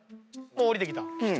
もう降りてきた？